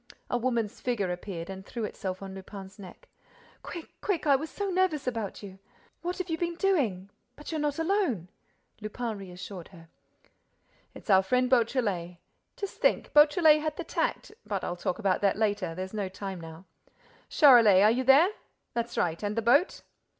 A woman's figure appeared and threw itself on Lupin's neck: "Quick, quick, I was so nervous about you. What have you been doing?—But you're not alone!—" Lupin reassured her: "It's our friend Beautrelet.—Just think, Beautrelet had the tact—but I'll talk about that later—there's no time now.—Charolais are you there? That's right!—And the boat?"